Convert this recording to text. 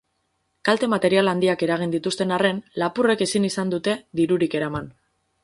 Kalte material handiak eragin dituzten arren, lapurrek ezin izan dute dirurik eraman.